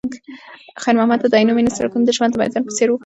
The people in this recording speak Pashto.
خیر محمد ته د عینومېنې سړکونه د ژوند د میدان په څېر وو.